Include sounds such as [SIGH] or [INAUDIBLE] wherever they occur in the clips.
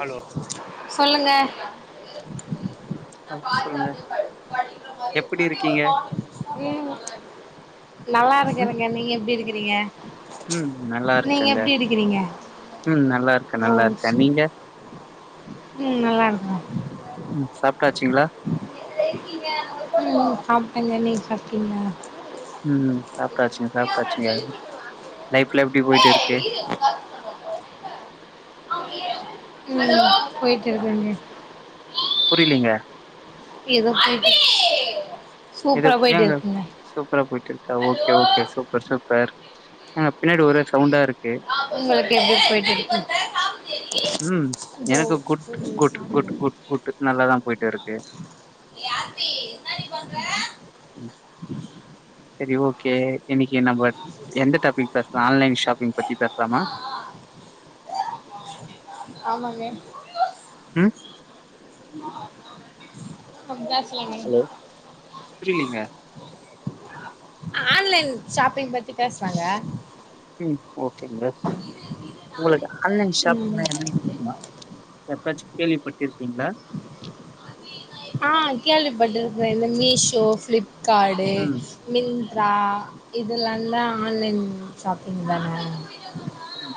Hello சொல்லுங்க அ சொல்லுங்க எப்டி இருக்கீங்க ம் நல்லா ம் இருக்கறங்க நீங்க எப்டி இருக்கிறீங்க ம் நல்லா நீங்க இருக்கங்க எப்டி இருக்கிறீங்க ம் நல்லா இருக்க ஓ நல்லா இருக்க சூப் நீங்க ம் நல்லா இருக்க ம் சாப்ட்டாச்சுங்ளா ம் சாப்டங்க நீங்க சாப்ட்டிங்ளா ம் சாப்ட்டாச்சுங்க சாப்ட்டாச்சுங்க லைப்ல்லா எப்டி போயிட்டு இருக்கு ம் போயிட்டு இருக்குங்க புரிலீங்க ஏதோ போயிட்டு இருக்கு எதோ ஏங்க சூப்பரா போயிட்டு இருக்கா ஓகே ஓகே சூப்பர் சூப்பர் ஏங்க பின்னாடி ஒரே சவுண்டா இருக்கு உங்களுக்கு எப்டி போயிட்டு இருக்கு ம் இதோ எனக்கு good good good good good நல்லாதா போயிட்டு இருக்கு ஏ ஆத்தி என்னடி பண்ற ம் செரி ஓகே இன்னைக்கு நம்ப எந்த டாபிக் பேசலா ஆன்லைன் ஷாப்பிங் பத்தி பேசலாமா ஆமாங்க ம் அ பேசலாங்க ஹலோ புரியலீங்க ஆன்லைன் ஷாப்பிங் பத்தி பேசலாங்க ம் ஓகேங்க உங்களுக்கு ஆன்லைன் ம் ஷாப்பிங்ன்னா என்னன்னு தெரியுமா எப்பயாச்சு கேள்விப்பட்டுயிருக்கீங்களா ஆ கேள்விப்பட்டு இருக்குக இந்த மீஷோ ஃவிலிப் கார்ட்டு ம் மிந்த்ரா இதெல்லா தா ஆன்லைன் ஷாப்பிங் தானா ம்.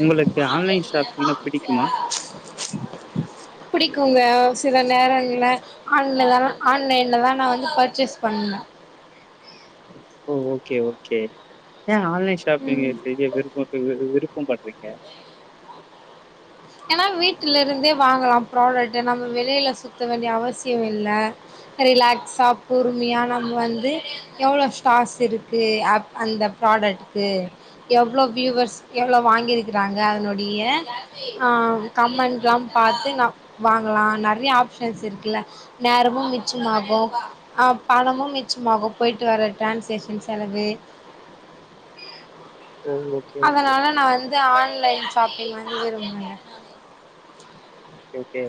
உங்களுக்கு ஆன்லைன் ஷாப்பிங்னா பிடிக்குமா பிடிக்குங்க சில நேரங்கள ஆன் ஆன்லைன்ல தா நா வந்து பர்ச்சேஸ் பண்ணனு ஓ ஓகே ஓகே எய ஆன்லைன் ஷாப்பிங் ம் செய்ய விருப்ப விருப்பம் பட்டுருக்க ஏன்னா வீட்டுல இருந்தே வாங்கலா புரொடக்ட் நம்ம வெளியில சுத்த வேண்டிய அவசிய இல்ல ரிலாக்ஸா பொறுமையா நம்ம வந்து எவ்வளோ ஸ்டார்ஸ் இருக்கு அ அந்த ப்ராடக்ட்டு எவ்வளோ வியூவர்ஸ் எவ்வளோ வாங்கியிருக்கிறாங்க அதனுடைய ஆ கமெண்ட்ஸ் எல்லா பாத்து நம்ம வாங்கலா நெறைய ஆப்ஷன்ஸ் இருக்குல்ல அபோ அ பணமும் மிச்சமாகு போயிட்டு வர ட்ரான்சேஷன் செலவு ஓ ஓகே ஓகே அதனால நா வந்து ஆன்லைன் ஷாப்பிங் வந்து விரும்புன ஒகே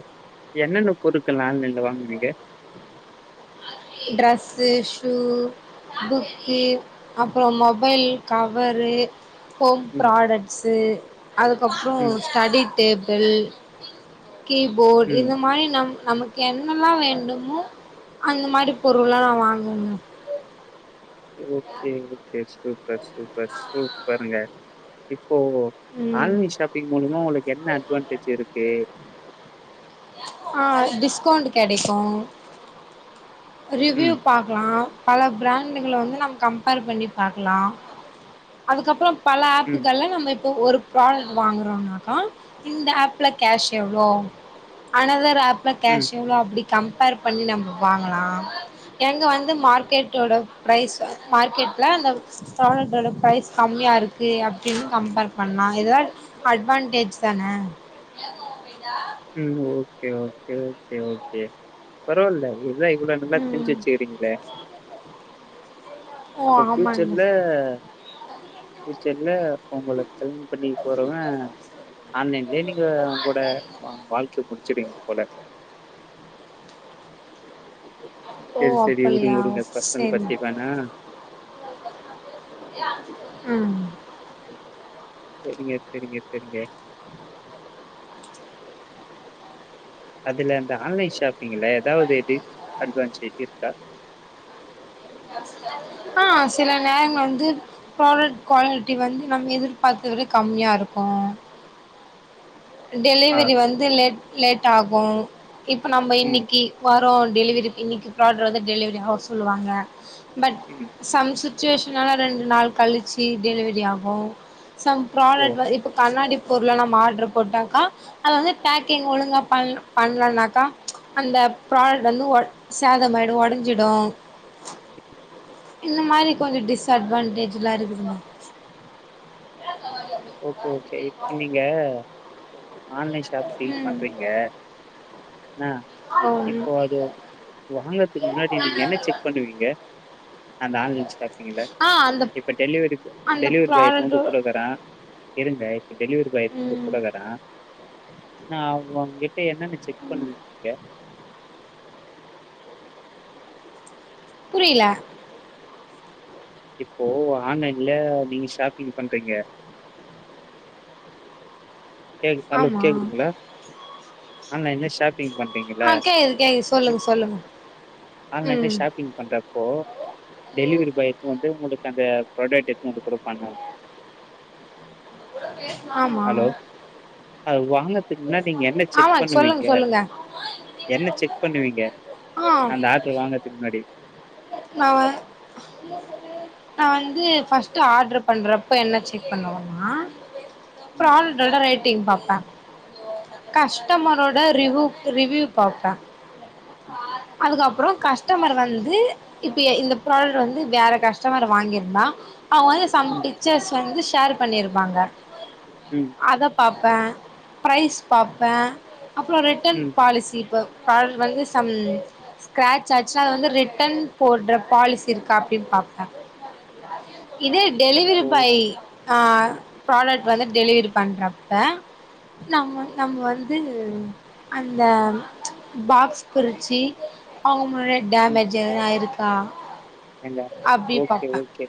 என்னென்ன பொருட்கள் எல்லா ஆன்லைன்ல வாங்குவீங்க டரெஸ்ஸு சூவ்வு புக்கு அப்பற மொபைல் கவரு ஹோம் ம் ப்ராடக்ட்ஸு அதுக்கப்பற ம் ஸ்டடி டேபிள் கீபோர்டு ம் இந்த மாதிரி நம் நமக்கு என்னல்லா வேண்டுமோ அந்த மாதிரி பொருள்லெல்லா நா வாங்குவங்க ஓக்கே சூப்பர் சூப்பர் சூப்பருங்க இப்போ ம் ஆன்லைன் ஷாப்பிங் மூலமா உங்களுக்கு என்ன அட்வான்டேஜ் இருக்கு ஆஹ டிஸ்கவுண்ட் கிடைக்கும் ரிவ்யூ ம் பாக்கலா பல பிராண்டுகல வந்து நம் கம்பர் பண்ணி பாக்கலா அதுக்கப்பற பல ம் ஆப்புகள்ல நம்ம இப்ப ஒரு ப்ராடக்ட் வாங்கறோனாக்கா இந்த ஆப்பில் கேஷ் எவ்வளோ அனதர் ஆப் ம் கேஷ் எவ்வளோ அப்டி கம்பேர் பண்ணி நம்ம வாங்கலா எங்க வந்து மார்க்கெட்டோட ஃபரைஸ் மார்க்கெட்ல அந்த பராடக்கோட ஃபரைஸ் கம்மியா இருக்கு அப்டின்னு கம்பர் பண்ணலா ஏத அட்வான்டேஜ் தான ம் ஓகே ஓகே ஓகே ஓகே பரவால்ல இதுதா இவ்வளவு நல்லா தெரிஞ்சு ம் வச்சுக்கிறீங்களே ஓ அப்பற ஆமாங்க ஃபியூச்சர்ல ஃபியூச்சர்ல உங்கல கல்யாண பண்ணி போறவ ஆன்லைன்ல நீங்க உங்களோட வா வாழ்க்கைய முடிச்சிடுவிங்க போல ஓ சரி, சரி. விடுங்க, அப்பல்லயா விடுங்க. பர்சனல் சேரிங்க பத்தி வேணாம். ம் சரிங்க சரிங்க சரிங்க அதுல அந்த ஆன்லைன் ஷாப்பிங்ல ஏதாவது டிஸ் அட்வான்டேஜ் இருக்கா ஆஹ் சில நேரங் வந்து ப்ராடக்ட் குவாலிட்டி வந்து நம்ம எதிர்பார்த்தலவிட கம்மியா இருக்கு ஆ. டெலிவரி வந்து லேட் லேட் ஆகு இப்போ நம்ப ம், இன்னிக்கி வரும் டெலிவரி இன்னிக்கி ப்ராடக்ட் வந்து டெலிவரி ஆவு சொல்லுவாங்க பட் ம். சம் சுச்சுவேஷனால் ரெண்டு நாள் கழிச்சு டெலிவரி ஆகு சம் ஓ! ப்ராடக்ட் வந்து இப்ப கண்ணாடி பொருள நம் ஆர்டர் போட்டாக்கா அது வந்து பேக்கிங் ஒழுங்கா பண்ள பண்ளனாக்கா அந்த ப்ராடக்ட் வந்து வொட சேதமாயிடு வொடஞ்சிடு இந்த மாரி கொஞ்சோ டிஸ்அட்வான்டேஜ்ல்லா இருக்குப்பா ஓகே ஓகே இப்ப நீங்க ஆன்லைன் ஷாப்பிங் ம் பண்றீங்க அ ஓ ம் இப்போ அது வாங்கறதுக்கு முன்னாடி நீங்க என்ன செக் பண்ணுவீங்க அந்த ஆன்லைன் ஷாப்பிங்ல ஆ அந்த இப்போ டெலிவரி அந்த டெலிவரி பாய் எத்துனுவந்து ப்ராடக்ட்டு உங்கிட்டதரா இருங்க இப்ப டெலிவரி பாய் எடுத்து வந்து ம் உங்கட்ட தரா நா அவ்ங்அவங்கிட் போய் என்னன்ன செக் பண்ணுவீங் புரில இப்போ ஆன்லைன்ல நீங்க ஷாப்பிங் பண்றீங்க கேக் ஹலோ ஆமா கேக்துங்களா ஆன்லைன்ல ஷாப்பிங் பண் றீங்கள ஆ கேக்குது கேக்குது இப் சொல்லுங்க சொல்லுங்க ஆன்லைன்ல ம் ஷாப்பிங் பண்றப் இப்போ டெலிவரி பாய் எத்துண்ணு வன்ட்டு உங்களுக்கு அந்த ப்ராடக்ட் எத்துண்ணு வந்து குடுப்பான்ல ஆமா ஹலோ அது வாங்க துக் முன்னாட் நீங்க என்ன செக் ஆமா சொல்லுங்க பண்ணுவீங்க சொல்லுங்க என்ன செக் பண்ணுவீங்க ஆ அந்த ஆர் ட்ரு வாங்கறதுக்குமுன்னாடி நா வ நா வந்து ஃபர்ஸ்ட்டு ஆட்ரு பண்றப்ப என்ன செக் பண்ணுவன்னா ம் புராடக் டோட ரேட்டிங் பாப்ப கஸ்டமரோட ரிவூ ரிவூயூ பாப்ப அதுக்கப்றோ கஸ்டமர் வந்து இப்ய இந்த ப்ராடக்ட் வந்து வேற கஸ்டமர் வாங்கிருந்தா அவ்ங்க வந்து சம் ம் ம் பிட்சர்ஸ் வந்து ஷேர் பண்ணிருப்பாங்க ம் அத பாப்ப ப்ரைஸ் பாப்ப அப்றோ ரிட்டன் ம் பாலிசி ப பால் வந்துஸ் சம் ஸ்கராட்ச் ஆச்சுனா அது வந்து ரிட்டன் போட்ற பாலிசி இருக்கா அப்டின் பாப்ப இதே டெலிவரி ஓ பாய் ஆஹ் ப்ராடக்ட் வந்து டெலிவரி பண்றப்ப நம் நம்ம வந்து அந்த பாக்ஸ் பிரிச்சு அவங்கமுன்னாடியே டேமேஜ் எதுனா ஆயிருக்கா எங்க ஓகே ஓகே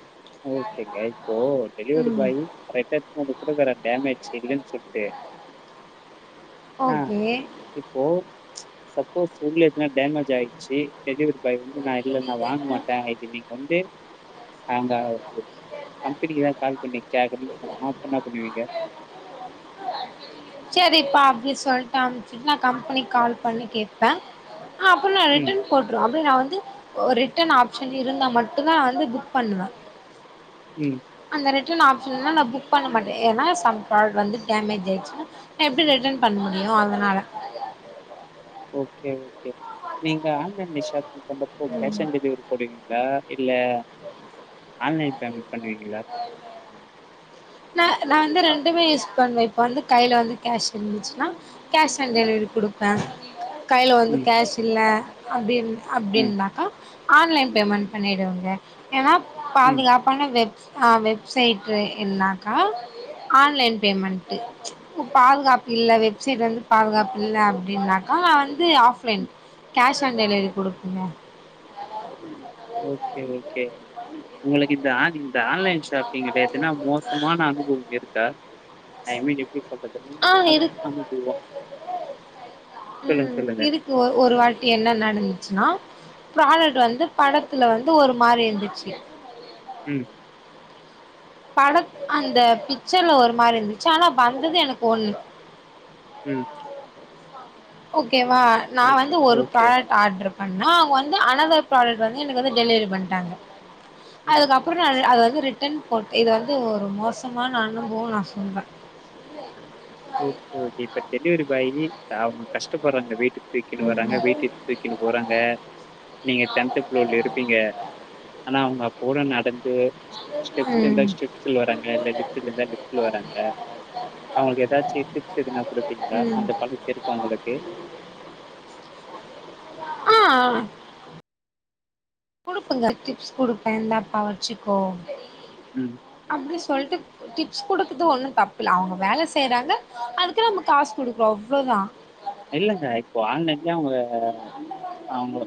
ஓகேங்க இப்போ டெலிவரி ம் பாய் கரக்ட் எத்துனு வந்து குடுக்கர டேமேஜ் இல்லன் சொல்ட்டு ஆஹ் ஓகே இப்போ சப்போஸ் உள்ள எதுனா டேமேஜ் ஆயிட்ச்சி டெலிவரி பாய் வந்து நா இல்ல நா வாங்க மாட்ட இது நீங்க வந்து அங்காவ் கம்பெனிக்குதா கால் பண்ணி கேக்கனு சொன்னா அப்ப என்ன பண்ணுவீங்க செரிப்பா அப்டின் சொல்ட்டு அம்ப்ச்சிட்டு நா கம்பெனிக் கால் பண்ணி கேப் ப அப்ப நா ம், ரிட்டன் போட்ருவ அப்டி நா வந்து ரிட்டன் ஆப்ஷன் இருந்தா மட்டுந்தா நா வந்து புக் பண்ணுவ ம் அந்த ரிட்ர்ன் ஆப்ஷன் இல்லனா நா புக் பண்ண மாட்ட ஏனா சம் ப்ராடக்ட் வந்து டமேஜ் ஆய்ச்சின்னா எப்டி ரிட்டன் பண்ண முடியு அதனால ஓகே ஓகே நீங்க ஆன்லைன்ல ஷாப்பிங் பண்றப்போ கேஷ் ம் ஆன் டெலிவரி போடுவீங்களா இல்ல ஆன்லைன் பேமெண்ட் பண்ணுவீங்களா நா நா வந்து ரெண்டுமே யூஸ் பண்ணுவ இப்ப வந்து கைல வந்து கஷ் இருந்துச்சின்னா கஷ் ஆன் டெலிவரி குடுப்ப கைல வந்து ம், கேஷ் இல்ல அப்டின் ம், அப்டின்னாக்கா ஆன்லைன் பேமெண்ட் பண்ணிடுவங்க ஏனா ம், பாதுகாப்பான வெப்ஸ் ஆ வெப்சைட்டு இன்னாக்கா ஆன்லைன் பேமெண்ட்டு பாதுகாப்பு இல்ல வெப்சைட் வந்து பாதுகாப்பு இல்ல அப்டின்னாக்கா வந்து ஆப்லைன் ம். கேஷ் ஆன் டெலிவரி குடுக்குங்க ம் ஓகே ஓகே உங்களுக்கு இந்த ஆடி இந்த ஆன்லைன் ஷாப்பிங்ல எதுனா மோசமான அனுபவம் இருக்கா ஐமீன் எப்டிப்பட்டதுனு ஆ அதது இருக் அனுபவோ ம் இருக்கு ஒ ஒரு வாட்டி என்ன நடந்துச்சின்னா ஃப்ராடக் வந்து படத்துல வந்து ஒரு மாரி இருந்துச்சி ம் படத் அந்த பிக்சர்ல ஒரு மாரி இருந்துச்சி ஆனா வந்தது எனக்கு ஒண்ணு ம் ஓகேவா நா ஓகே, வந்து ஒரு ப்ரா ஓகே. ஆட்டர் பண்ணா அவங்க வந்து அனதர் ப்ராடக் வந்து எனக்கு வந்து டெலிவரி பண்டாங்க ம். அதுக்கப் அப்புறோ நா அத வந்து ரிட்டன் போட்டு இது வந்து ஒரு மோசமான அனுபவோ நா சொல்வ [UNINTELLIGIBLE] ஓகே ஓகே இப்ப டெலிவரி பாயி அவங்க கஷ்டப்படுறாங்க வீட்டுக் தூக்கின்னு வர்றாங்க ம் வெய்ட்டு தூக்கிண்ணு போறாங்க நீங்க டென்த் ஃபுளோர்ல இருப்பீங்க ஆனா அவங்க அப்ப கூட நடந்து ஸ்டெப்ஸ் இருந்தா ம் ஸ்டெப்ஸ்ல வராங்க இல்ல லிஃப்டுல இருந்தா லிஃப்ட்ல வராங்க அவங்களுக்கு ஏதா ச்சி டிப்ஸ் எதுனா குடுப்பீங்ளா ம் அந்த பகுத் இருக்கா உங்களுக்கு ஆ குடுப்பங்க டிப்ஸ் குடுப்ப இந்தாப்பா வச்சிக்கோ ம் அப்டி சொல்ட்டு டிப்ஸ் குடுக்குது ஒன்னு தப்புல்ல அவங்க வேல செய்றாங்க அதுக்கு நம்ம காஸ் குடுக்குறோ அவ்ளோதா இல்லங்க இப்போ ஆன்லைன்லே அவங்க அவங்க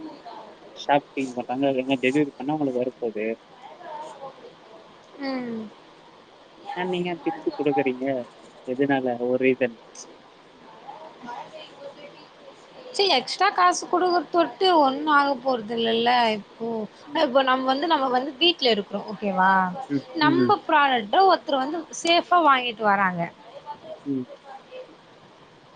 ஷாப் [UNINTELLIGIBLE] அது என்ன டெலிவரி பண்ணா உங்களுக்கு வரப்போது ம் ஆ நீங்க ஏ டிப்ஸ்சு குடுக்கறீங்க எதுனால ஒரு ரீசன் மழ மழ பெய்யும் போது சீ எக்ஸ்ட்ரா காசு குடுக்கற தொட்டு ஒண்ணு ஆக போறதுல்லல ஓ அ ம், இப்ப நம்ம வந்து நம்ம வந்து வீட்டு்ல இருக்றோ ஓகேவா ம், ம், நம்ம ப்ராடக்ட்ட ஒருத்தர் வந்து சேஃபா வாங்கிட்டு வராங்க ம்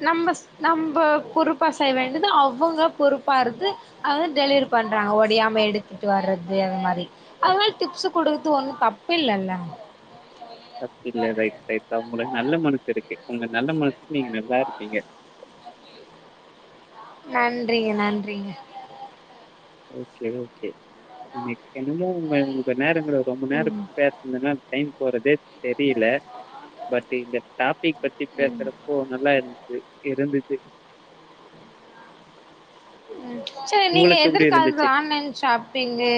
நம்ம ஸ் நம்ப பொறுப்பா செய்ய வேண்டியது அவங்க பொறுப்பாருது அவெ டெலிவரி பண்றாங்க ஒடியாம எடுத்துட்டு வர்றது அது மாரி அதனால டிப்ஸ் குடுக்கத்து ஒன்னு தப்பில்லல்ல தப்பில்ல ரைட் ரைட்கா உங்களுக்கு நல்ல மனசு இருக்கு உங்க நல்ல மனசுக்கு நீங்க நல்லா இருப்பீங்க நன்றிங்க நன்றிங்க ஓகே ஓகே எனக்கு என்னமோ உங்க உங்க நேரங்க ரொம்ப நேரம் ம் பே இல்லனா டைம் போறதே தெரில பட் இந்த டாபிக் பத்தி ம் பேசுறது போ நல்லா இருந்துது இருந்துது ம் சேர் நீங்க உங்களுக்கு எப்படி எதிர்காலத்துல இருந்துச்சு? ஆன்லைன் ஷாப்பிங்கு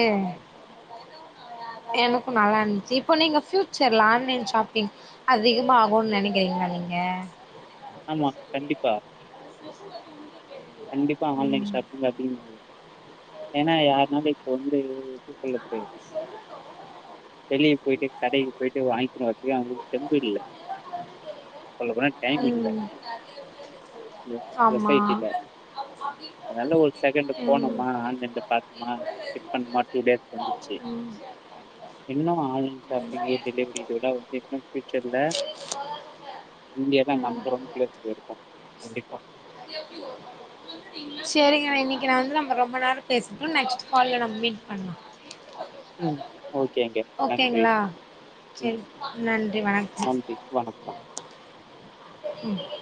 எனக்கு நல்லா இருந்ச்சு இப்போ நீங்க பியூச்சர்ல ஆன்லைன் ஷாப்பிங் அதிகமாகுனு நெனைக்குறீங்ளா நீங்க ஆமா கண்டிப்பா கண்டிப்பா ஆன்லைன் ம் ஷாப் பிங் அதிகமா ஏன்னா யாருனாலு இப்ப வந்து எப்டி சொல்லது [INAUDIBLE] வெளிய போயிட்டு கடைக்கு போயிட்டு வாங்கிட்டு வரன்த்துக்கு அவங்களுக்கு தெம்பு இல்ல சொல்ல போனா ம் ம் ஆமா சொசைட்டில அதனால ஒரு செகண்டு் ம் போனமா ஆன்லைன்ல பாத்தமா டிக் பண்ணமா டூ டேஸ் வந்துச்சு ம் என்னா ஆன்லைன் ஷாப்பிங்கு டெலிவரி இதோடா [UNINTELLIGIBLE] சொல்லுவ ம் ஒன் பிளேஸ்ல இருக்கு கண்டிப்பா சேரிங்க இன்னைக்கு நா வந்து நம்ம ரொம்ப நேரோம் பேசிட்டோ நெக்ஸ்ட் கால்ல நம்ம மீட் பண்லா ம் ஓகேங்க நன்றி ஓகேங்களா சரி ம் நன்றி வணக்கம் நன்றி வணக்கம் ம்